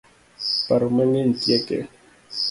Paro mang'eny tieke